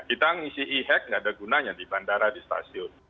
kita ngisi e hack nggak ada gunanya di bandara di stasiun